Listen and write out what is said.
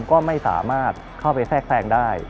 ก็ไม่สามารถเข้าไปแทรกแทรงได้